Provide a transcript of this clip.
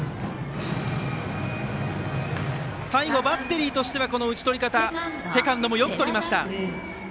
最後、バッテリーとしてはこの打ち取り方セカンドもよくとりました。